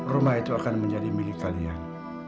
rumah itu akan menjadi milik kalian